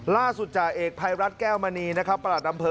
ล่าสุจ่าเอกภัยรัชแก้วมณีประหลัดอำเภอ